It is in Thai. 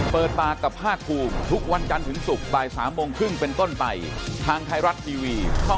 เปิดตากับ๕ภูมิทุกวันจันทร์ถึงศุกร์บ่าย๓โมงครึ่งเป็นก้นไต